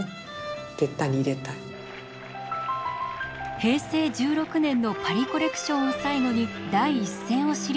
平成１６年のパリコレクションを最後に第一線を退いた森さん。